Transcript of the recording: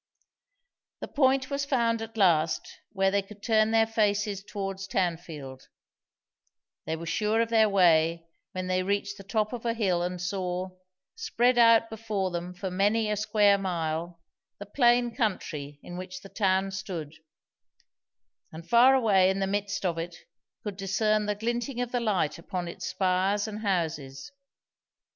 The point was found at last where they could turn their faces towards Tanfield; they were sure of their way when they reached the top of a hill and saw, spread out before them for many a square mile, the plain country in which the town stood, and far away in the midst of it could discern the glinting of the light upon its spires and houses.